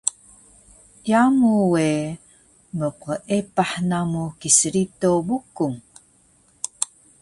Yamu we mqeepah namu Kiristo Bukung